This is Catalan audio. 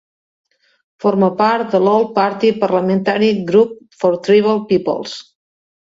Forma part de l'All-Party Parliamentary Group for Tribal Peoples.